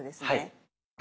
はい。